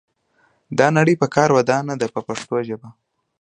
دا نړۍ په کار ودانه ده په پښتو ژبه.